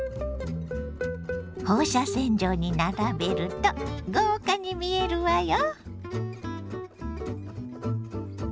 放射線状に並べると豪華に見えるわよ！